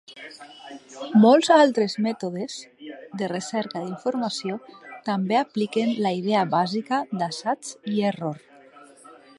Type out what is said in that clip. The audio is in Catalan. Molts altres mètodes de recerca d'informació també apliquen la idea bàsica d'assaig i error.